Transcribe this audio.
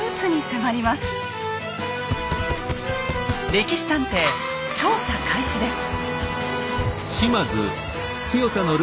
「歴史探偵」調査開始です。